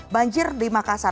banjir di makassar